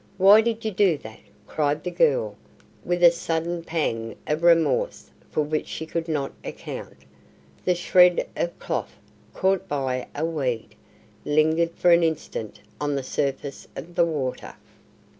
"Why did you do that?" cried the girl, with a sudden pang of remorse for which she could not account. The shred of cloth, caught by a weed, lingered for an instant on the surface of the water.